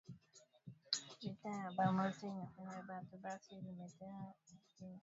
Vita ya ba mbote inafanya batu basi lime tena ku kalemie